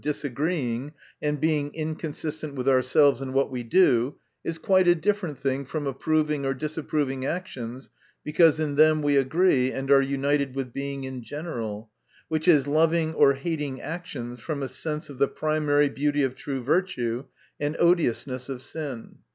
disagreeing and being inconsistent with ourselves in what we do — is quite a different thing from approving or disapproving actions because in them we agree and are united with Being in general ; which is lov ing or hatino actions from a sense of the primary beauty of true virtue, and odiousness of sin.